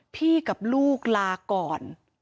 กับลูกลาก่อน